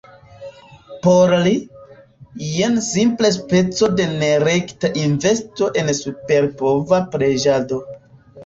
Por li, jen simple speco de nerekta investo en superpova preĝado.